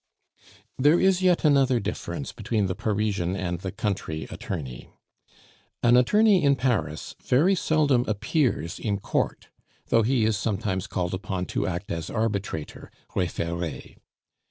There is yet another difference between the Parisian and the country attorney. An attorney in Paris very seldom appears in court, though he is sometimes called upon to act as arbitrator (refere).